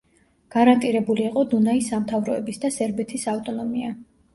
გარანტირებული იყო დუნაის სამთავროების და სერბეთის ავტონომია.